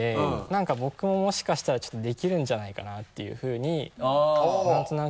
何か僕ももしかしたらちょっとできるんじゃないかなっていうふうに何となく。